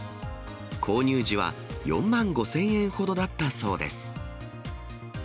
購入時は４万５０００円ほどだったそうです。